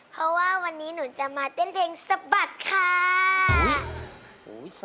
เพราะว่าวันนี้หนูจะมาเต้นเพลงสะบัดค่ะ